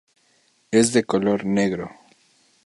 Es de color negro.